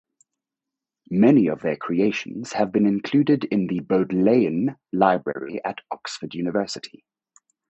Many of their creations have been included in the Bodleian Library at Oxford University.